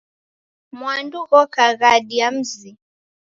Mwandu ghoka ghadi ya mzi.